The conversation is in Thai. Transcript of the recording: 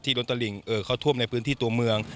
ที่ล้นตะหลิงเข้าท่วมในพื้นที่ตัวเมือง